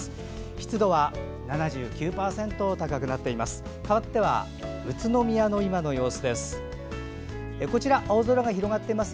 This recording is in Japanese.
湿度は７９％と高くなっています。